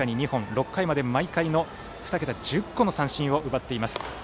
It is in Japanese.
６回まで毎回の２桁１０個の三振を奪っています。